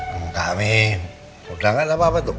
enggak mami udah gak ada apa apa tuh